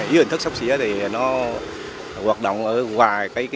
y hình thức sóc xỉa thì nó hoạt động ở ngoài